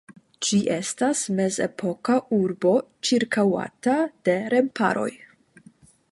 Ĝi estas mezepoka urbo ĉirkaŭata de remparoj.